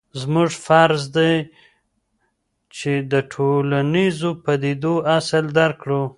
زموږ فرض دی چې د ټولنیزو پدیدو اصل درک کړو.